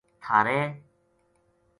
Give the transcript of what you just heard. تھہارے